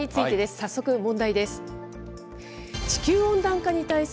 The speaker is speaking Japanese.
早速問題です。